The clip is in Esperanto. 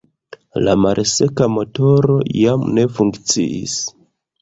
La malseka motoro jam ne funkciis.